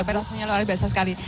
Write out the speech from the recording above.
persasinya luar biasa sekali